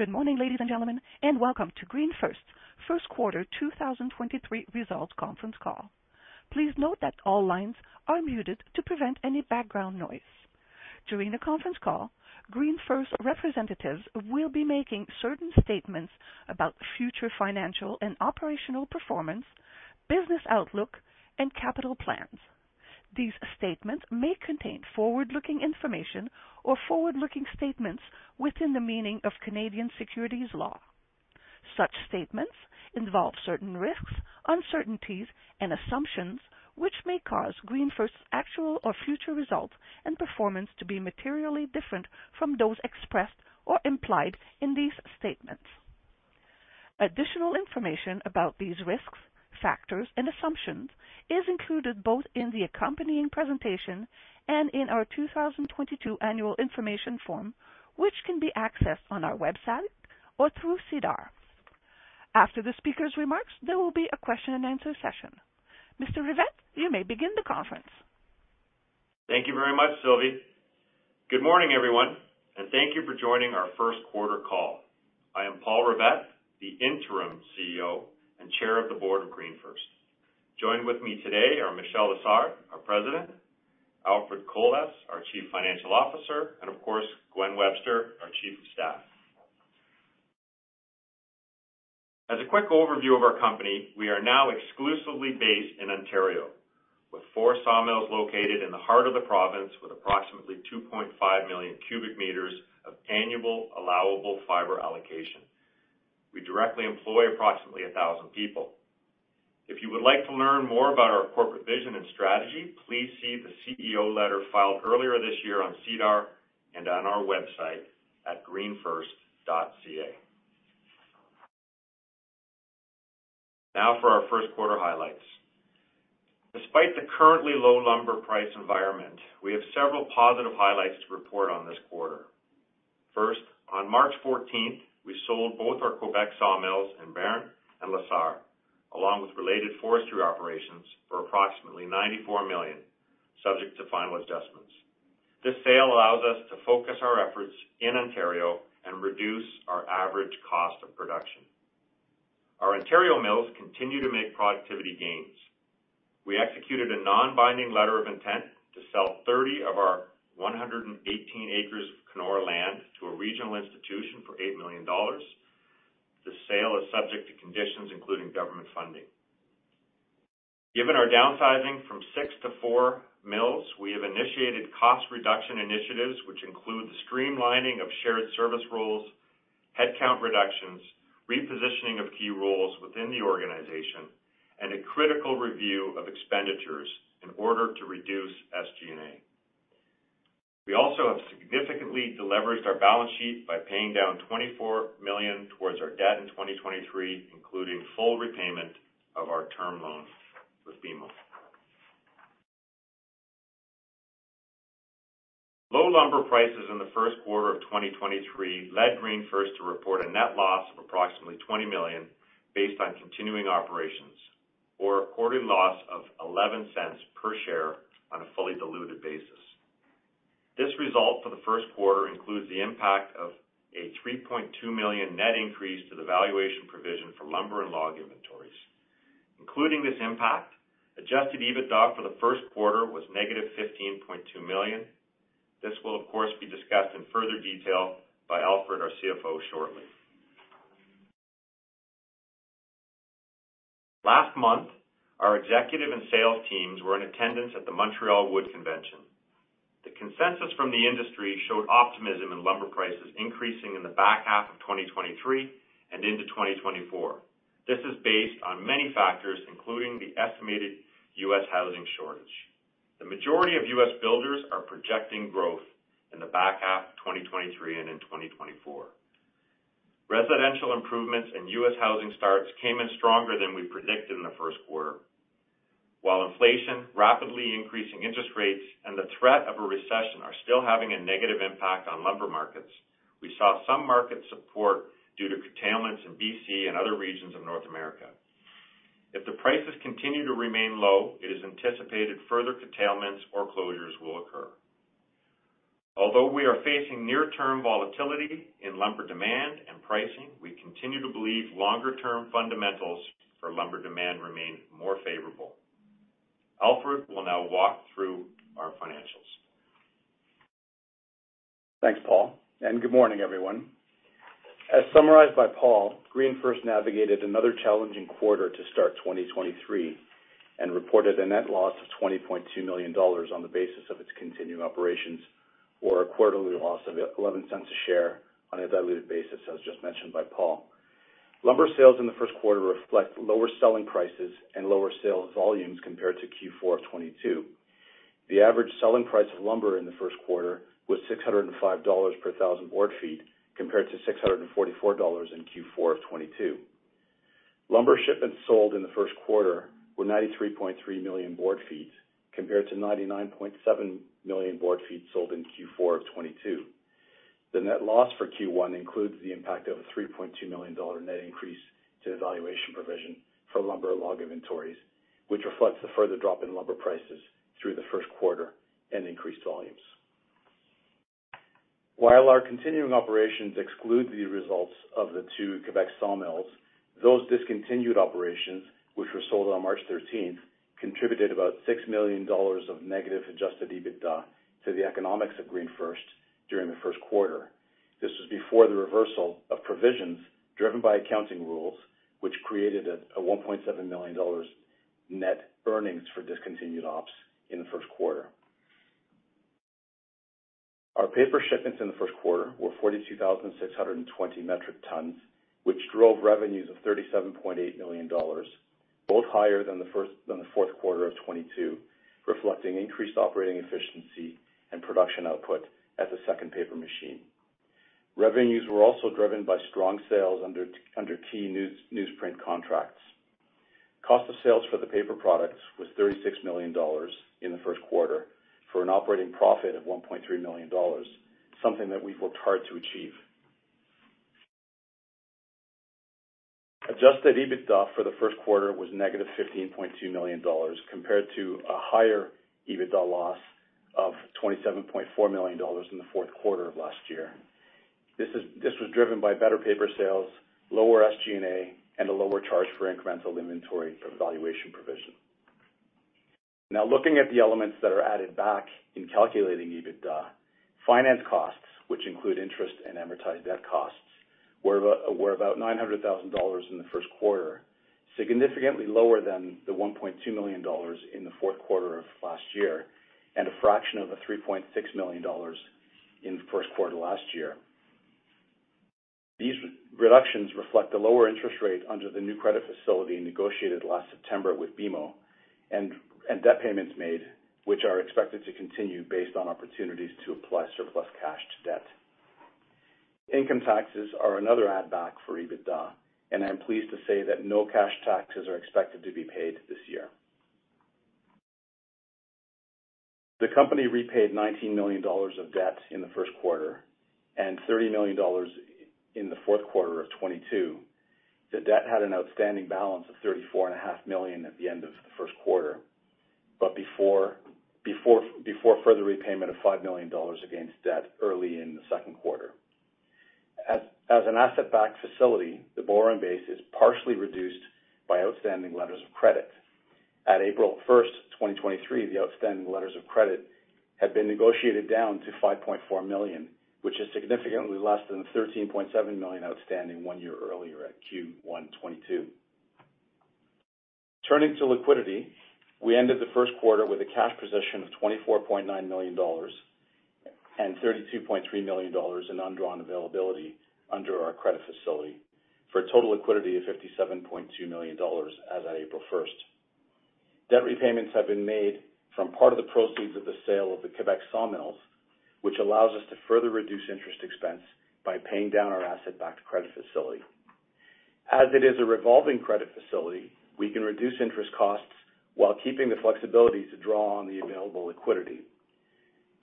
Good morning, ladies and gentlemen, welcome to GreenFirst Q1 2023 Results Conference Call. Please note that all lines are muted to prevent any background noise. During the conference call, GreenFirst representatives will be making certain statements about future financial and operational performance, business outlook, and capital plans. These statements may contain forward-looking information or forward-looking statements within the meaning of Canadian securities law. Such statements involve certain risks, uncertainties, and assumptions which may cause GreenFirst's actual or future results and performance to be materially different from those expressed or implied in these statements. Additional information about these risks, factors, and assumptions is included both in the accompanying presentation and in our 2022 Annual Information Form, which can be accessed on our website or through SEDAR. After the speaker's remarks, there will be a question-and-answer session. Mr. Rivett, you may begin the conference. Thank you very much, Sylvie. Good morning, everyone, thank you for joining our first-quarter call. I am Paul Rivett, the Interim CEO and Chair of the Board of GreenFirst. Joining with me today are Michel Lessard, our President; Alfred Colas, our Chief Financial Officer; of course, Gwen Webster, our Chief of Staff. As a quick overview of our company, we are now exclusively based in Ontario, with four sawmills located in the heart of the province with approximately 2.5 million cubic meters of annual allowable fiber allocation. We directly employ approximately 1,000 people. If you would like to learn more about our corporate vision and strategy, please see the CEO letter filed earlier this year on SEDAR and on our website at greenfirst.ca. For our Q1 highlights. Despite the currently low lumber price environment, we have several positive highlights to report on this quarter. First, on March 14th, we sold both our Quebec sawmills in Béarn and La Sarre, along with related forestry operations for approximately 94 million, subject to final adjustments. This sale allows us to focus our efforts in Ontario and reduce our average cost of production. Our Ontario mills continue to make productivity gains. We executed a non-binding letter of intent to sell 30 of our 118 acres of Kenora land to a regional institution for 8 million dollars. The sale is subject to conditions including government funding. Given our downsizing from 6 to 4 mills, we have initiated cost reduction initiatives, which include the streamlining of shared service roles, headcount reductions, repositioning of key roles within the organization, and a critical review of expenditures in order to reduce SG&A. We also have significantly deleveraged our balance sheet by paying down 24 million towards our debt in 2023, including full repayment of our term loan with BMO. Low lumber prices in the Q1 of 2023 led GreenFirst to report a net loss of approximately 20 million based on continuing operations or a quarterly loss of 0.11 per share on a fully diluted basis. This result for the Q1 includes the impact of a 3.2 million net increase to the valuation provision for lumber and log inventories. Including this impact, adjusted EBITDA for the Q1 was negative 15.2 million. This will, of course, be discussed in further detail by Alfred, our CFO, shortly. Last month, our executive and sales teams were in attendance at the Montreal Wood Convention. The consensus from the industry showed optimism in lumber prices increasing in the back half of 2023 and into 2024. This is based on many factors, including the estimated US housing shortage. The majority of US builders are projecting growth in the back half of 2023 and in 2024. Residential improvements in US housing starts came in stronger than we predicted in the Q1. While inflation, rapidly increasing interest rates, and the threat of a recession are still having a negative impact on lumber markets, we saw some market support due to curtailments in B.C. and other regions of North America. If the prices continue to remain low, it is anticipated further curtailments or closures will occur. Although we are facing near-term volatility in lumber demand and pricing, we continue to believe longer-term fundamentals for lumber demand remain more favorable. Alfred will now walk through our financials. Thanks, Paul, and good morning, everyone. As summarized by Paul, GreenFirst navigated another challenging quarter to start 2023 and reported a net loss of 20.2 million dollars on the basis of its continuing operations or a quarterly loss of 0.11 a share on a diluted basis, as just mentioned by Paul. Lumber sales in the Q1 reflect lower selling prices and lower sales volumes compared to Q4 of 2022. The average selling price of lumber in the Q1 was 605 dollars per thousand board feet compared to 644 dollars in Q4 of 2022. Lumber shipments sold in the Q1 were 93.3 million board feet compared to 99.7 million board feet sold in Q4 of 2022. The net loss for Q1 includes the impact of a CAD 3.2 million net increase to the valuation provision for lumber log inventories. Which reflects the further drop in lumber prices through the Q1 and increased volumes. While our continuing operations exclude the results of the two Quebec sawmills, those discontinued operations, which were sold on March 13th, contributed about 6 million dollars of negative adjusted EBITDA to the economics of GreenFirst during the Q1. This was before the reversal of provisions driven by accounting rules, which created a 1.7 million dollars net earnings for discontinued ops in the Q1. Our paper shipments in the Q1 were 42,620 metric tons, which drove revenues of 37.8 million dollars, both higher than the Q4 of 2022, reflecting increased operating efficiency and production output at the second paper machine. Revenues were also driven by strong sales under key newsprint contracts. Cost of sales for the paper products was 36 million dollars in the Q1, for an operating profit of 1.3 million dollars, something that we've worked hard to achieve. Adjusted EBITDA for the Q1 was negative 15.2 million dollars compared to a higher EBITDA loss of 27.4 million dollars in the Q4 of last year. This was driven by better paper sales, lower SG&A, and a lower charge for incremental inventory valuation provision. Looking at the elements that are added back in calculating EBITDA, finance costs, which include interest and amortized debt costs, were about 900,000 dollars in the Q1, significantly lower than the 1.2 million dollars in the Q4 of last year, and a fraction of the 3.6 million dollars in the Q1 last year. These re-reductions reflect the lower interest rate under the new credit facility negotiated last September with BMO and debt payments made, which are expected to continue based on opportunities to apply surplus cash to debt. Income taxes are another add back for EBITDA. I am pleased to say that no cash taxes are expected to be paid this year. The company repaid 19 million dollars of debt in the Q1 and 30 million dollars in the Q4 of 2022. The debt had an outstanding balance of 34 and a half million at the end of the Q1, before further repayment of $5 million against debt early in the Q2. As an asset-backed facility, the borrowing base is partially reduced by outstanding letters of credit. At 1 April 2023, the outstanding letters of credit had been negotiated down to $5.4 million, which is significantly less than the $13.7 million outstanding one year earlier at Q1 2022. Turning to liquidity, we ended the Q1 with a cash position of $24.9 and 32.3 million in undrawn availability under our credit facility for a total liquidity of $57.2 million as at 1 April. Debt repayments have been made from part of the proceeds of the sale of the Quebec sawmills, which allows us to further reduce interest expense by paying down our asset-backed credit facility. As it is a revolving credit facility, we can reduce interest costs while keeping the flexibility to draw on the available liquidity.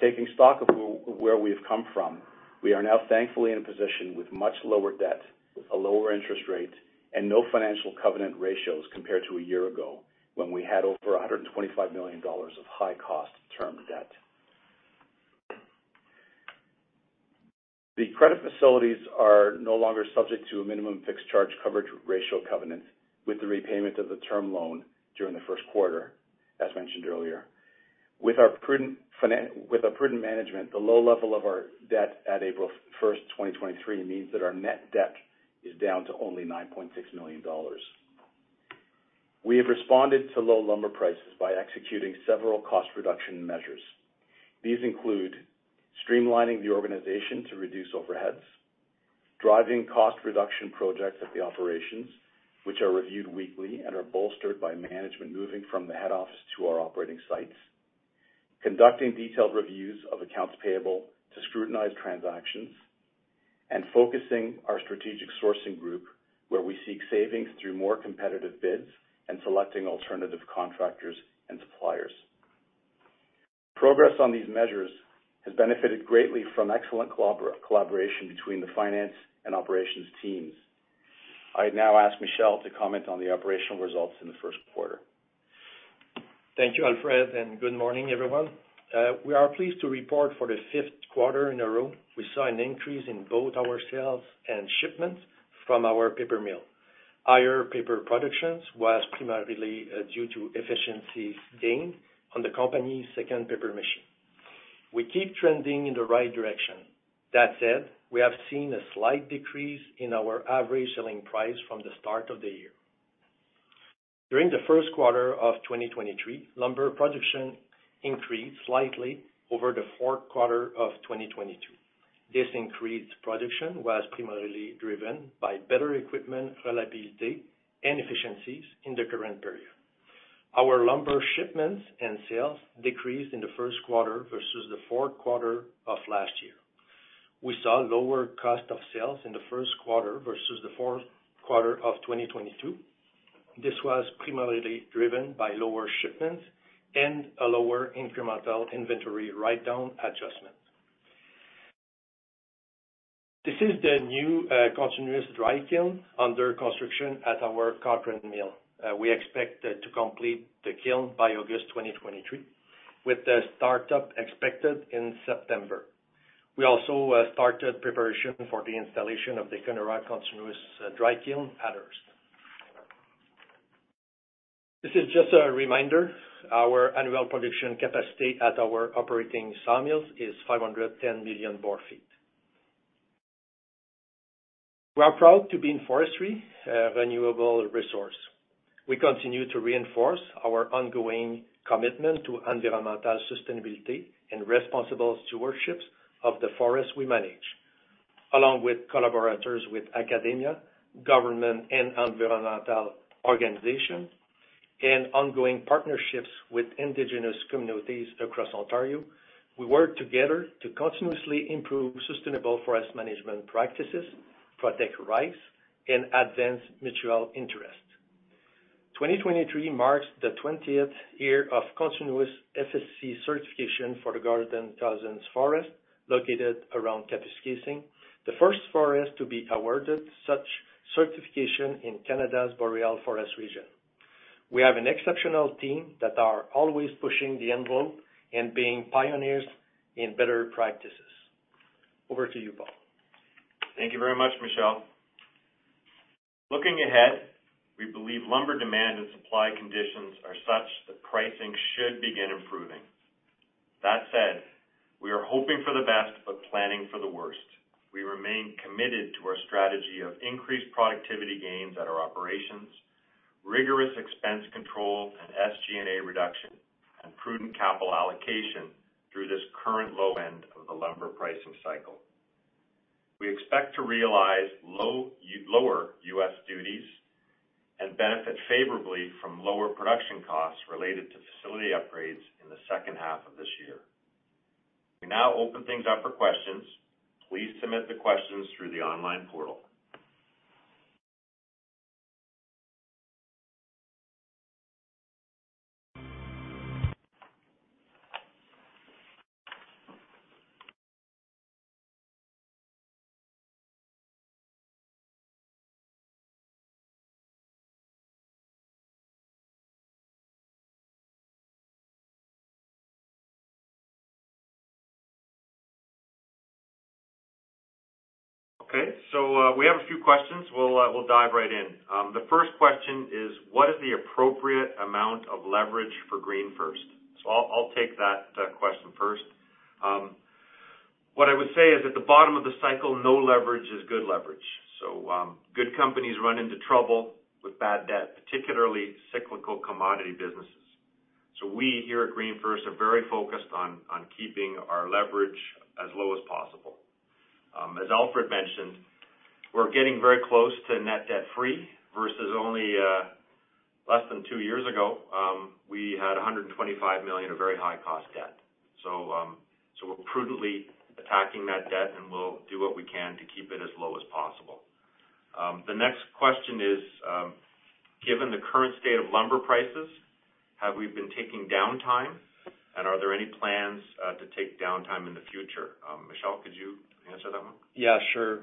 Taking stock of where we have come from, we are now thankfully in a position with much lower debt, with a lower interest rate, and no financial covenant ratios compared to a year ago when we had over 125 million dollars of high-cost term debt. The credit facilities are no longer subject to a minimum fixed charge coverage ratio covenant with the repayment of the term loan during the Q1, as mentioned earlier. With our prudent management, the low level of our debt at 1 April 2023, means that our net debt is down to only 9.6 million dollars. We have responded to low lumber prices by executing several cost reduction measures. These include streamlining the organization to reduce overheads, driving cost reduction projects at the operations, which are reviewed weekly and are bolstered by management moving from the head office to our operating sites, conducting detailed reviews of accounts payable to scrutinize transactions, and focusing our strategic sourcing group where we seek savings through more competitive bids and selecting alternative contractors and suppliers. Progress on these measures has benefited greatly from excellent collaboration between the finance and operations teams. I now ask Michel to comment on the operational results in the Q1. Thank you, Alfred. Good morning, everyone. We are pleased to report for the fifth quarter in a row, we saw an increase in both our sales and shipments from our paper mill. Higher paper productions was primarily due to efficiencies gained on the company's second paper machine. We keep trending in the right direction. That said, we have seen a slight decrease in our average selling price from the start of the year. During the Q1 of 2023, lumber production increased slightly over the Q4 of 2022. This increased production was primarily driven by better equipment reliability and efficiencies in the current period. Our lumber shipments and sales decreased in the Q1 versus the Q4 of last year. We saw lower cost of sales in the Q1 versus the Q4 of 2022. This was primarily driven by lower shipments and a lower incremental inventory write-down adjustment. This is the new continuous dry kiln under construction at our Cochrane mill. We expect to complete the kiln by August 2023, with the startup expected in September. We also started preparation for the installation of the Kenora continuous dry kiln at Hearst. This is just a reminder, our annual production capacity at our operating sawmills is 510 million board feet. We are proud to be in forestry, a renewable resource. We continue to reinforce our ongoing commitment to environmental sustainability and responsible stewardships of the forests we manage. Along with collaborators with academia, government and environmental organization and ongoing partnerships with indigenous communities across Ontario, we work together to continuously improve sustainable forest management practices, protect rights and advance mutual interest. 2023 marks the 20th year of continuous FSC certification for the Gordon Cosens Forest located around Kapuskasing, the first forest to be awarded such certification in Canada's Boreal forest region. We have an exceptional team that are always pushing the envelope and being pioneers in better practices. Over to you, Paul. Thank you very much, Michel. Looking ahead, we believe lumber demand and supply conditions are such that pricing should begin improving. That said, we are hoping for the best but planning for the worst. We remain committed to our strategy of increased productivity gains at our operations, rigorous expense control and SG&A reduction and prudent capital allocation through this current low end of the lumber pricing cycle. We expect to realize lower US duties and benefit favorably from lower production costs related to facility upgrades in the second half of this year. We now open things up for questions. Please submit the questions through the online portal. Okay. We have a few questions. We'll dive right in. The first question is, what is the appropriate amount of leverage for GreenFirst? I'll take that question first. What I would say is at the bottom of the cycle, no leverage is good leverage. Good companies run into trouble with bad debt, particularly cyclical commodity businesses. We here at GreenFirst are very focused on keeping our leverage as low as possible. As Alfred mentioned, we're getting very close to net debt-free versus only less than two years ago, we had 125 million of very high cost debt. So we're prudently attacking that debt, and we'll do what we can to keep it as low as possible. The next question is, given the current state of lumber prices, have we been taking downtime? Are there any plans to take downtime in the future? Michel, could you answer that one? Yeah, sure.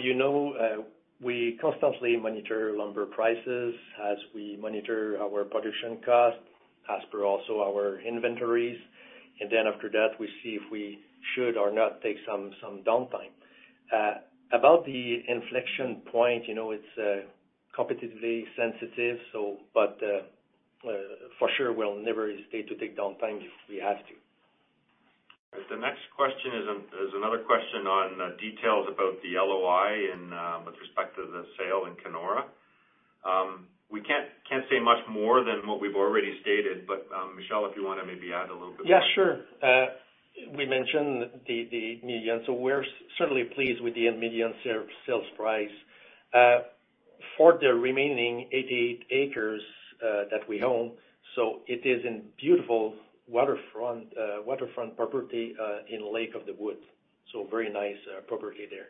You know, we constantly monitor lumber prices as we monitor our production costs as per also our inventories. After that, we see if we should or not take some downtime. About the inflection point, you know, it's competitively sensitive, so but, for sure, we'll never hesitate to take downtime if we have to. The next question is another question on details about the LOI and with respect to the sale in Kenora. We can't say much more than what we've already stated. Michel, if you wanna maybe add a little bit more. Yeah, sure. We mentioned the million. We're certainly pleased with the 8 million sale, sales price for the remaining 88 acres that we own. It is in beautiful waterfront property in Lake of the Woods. Very nice property there.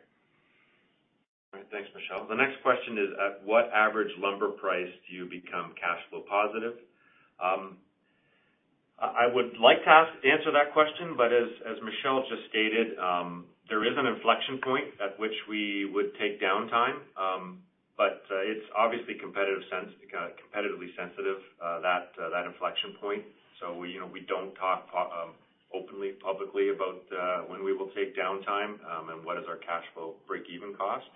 All right. Thanks, Michel. The next question is, at what average lumber price do you become cash flow positive? I would like to answer that question, but as Michel just stated, there is an inflection point at which we would take downtime. It's obviously competitively sensitive, that inflection point. We, you know, we don't talk openly, publicly about when we will take downtime and what is our cash flow break-even cost.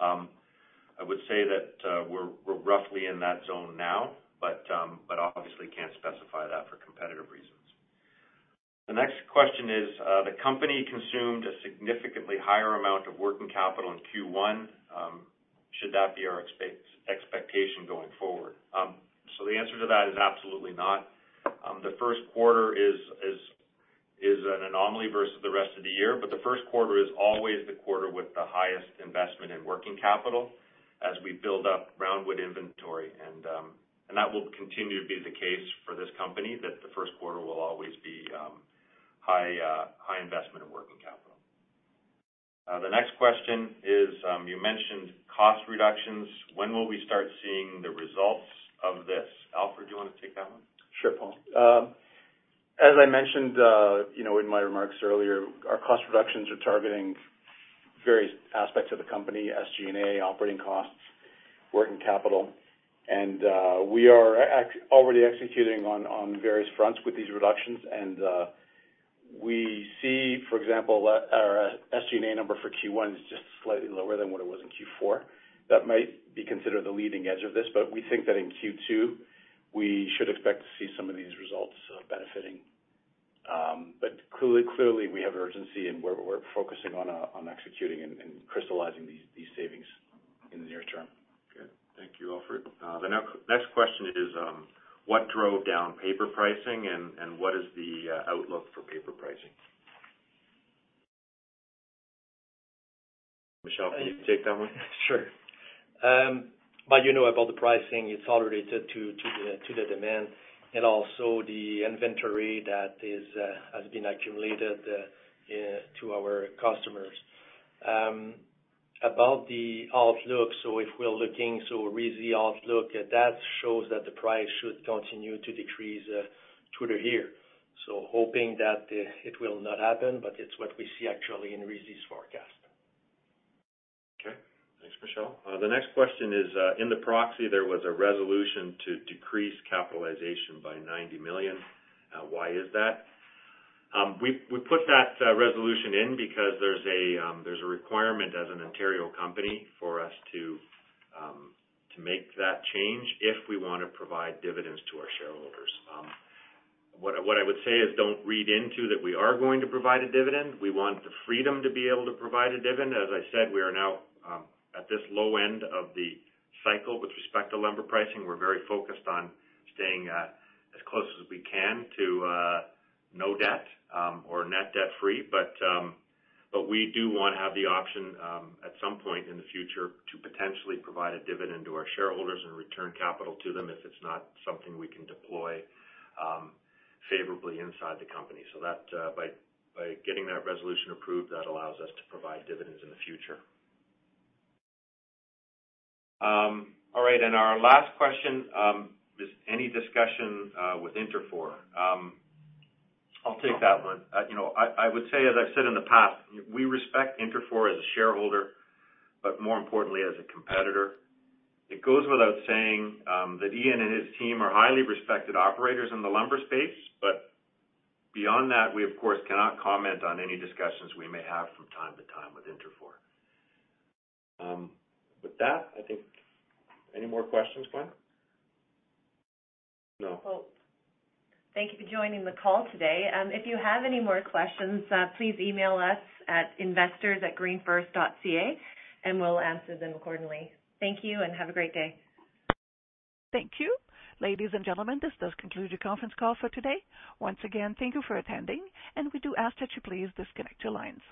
I would say that, we're roughly in that zone now, but obviously can't specify that for competitive reasons. The next question is, the company consumed a significantly higher amount of working capital in Q1. Should that be our expectation going forward? The answer to that is absolutely not. The Q1 is an anomaly versus the rest of the year. The Q1 is always the quarter with the highest investment in working capital as we build up roundwood inventory. That will continue to be the case for this company, that the Q1 will always be high investment in working capital. The next question is, you mentioned cost reductions. When will we start seeing the results of this? Alfred, do you wanna take that one? Sure, Paul. As I mentioned, you know, in my remarks earlier, our cost reductions are targeting various aspects of the company, SG&A operating costs, working capital. We are already executing on various fronts with these reductions. We see, for example, our SG&A number for Q1 is just slightly lower than what it was in Q4. That might be considered the leading edge of this, but we think that in Q2, we should expect to see some of these results, benefiting. Clearly, we have urgency, and we're focusing on executing and crystallizing these savings in the near term. Okay. Thank you, Alfred. The next question is, what drove down paper pricing and what is the outlook for paper pricing? Michel, can you take that one? Sure. You know about the pricing, it's all related to the, to the demand and also the inventory that is has been accumulated to our customers. About the outlook, if we're looking, so RISI outlook, that shows that the price should continue to decrease through the year. Hoping that it will not happen, but it's what we see actually in RISI's forecast. Okay. Thanks, Michel. The next question is, in the proxy, there was a resolution to decrease capitalization by 90 million. Why is that? We put that resolution in because there's a requirement as an Ontario company for us to make that change if we wanna provide dividends to our shareholders. What I would say is don't read into that we are going to provide a dividend. We want the freedom to be able to provide a dividend. As I said, we are now at this low end of the cycle with respect to lumber pricing. We're very focused on staying as close as we can to no debt or net debt free. We do wanna have the option at some point in the future to potentially provide a dividend to our shareholders and return capital to them if it's not something we can deploy favorably inside the company. That, by getting that resolution approved, that allows us to provide dividends in the future. All right, our last question is any discussion with Interfor? I'll take that one. You know, I would say, as I've said in the past, we respect Interfor as a shareholder, but more importantly, as a competitor. It goes without saying that Ian and his team are highly respected operators in the lumber space. Beyond that, we of course, cannot comment on any discussions we may have from time to time with Interfor. With that, I think. Any more questions, Glenn? No. Well, thank you for joining the call today. If you have any more questions, please email us at investors@greenfirst.ca, and we'll answer them accordingly. Thank you and have a great day. Thank you. Ladies and gentlemen, this does conclude your conference call for today. Once again, thank you for attending, and we do ask that you please disconnect your lines.